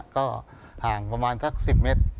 ก็ห่างประมาณสัก๑๐เมตร